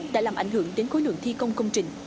đã làm ảnh hưởng đến khối lượng thi công công trình